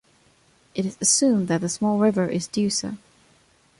It is assumed that the small river is Dusa.